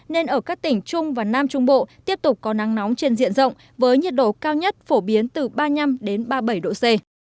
nên ở các tỉnh trung và nam trung bộ tiếp tục có nắng nóng trên diện rộng với nhiệt độ cao nhất phổ biến từ ba mươi năm ba mươi bảy độ c